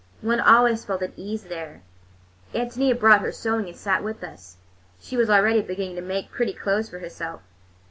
One always felt at ease there. Ántonia brought her sewing and sat with us—she was already beginning to make pretty clothes for herself.